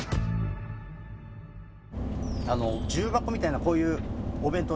重箱みたいなこういうお弁当。